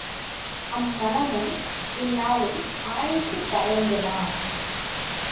அம்மணமும் இன்னலும் ஆயுசு பரியந்தமா?